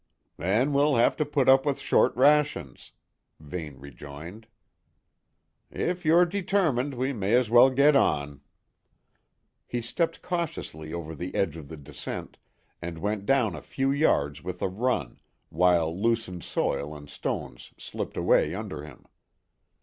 "Then we'll have to put up with short rations," Vane rejoined. "If you're determined, we may as well get on." He stepped cautiously over the edge of the descent, and went down a few yards with a run, while loosened soil and stones slipped away under him.